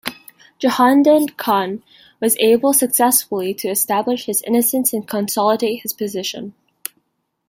Jehandad Khan was able successfully to establish his innocence and consolidate his position.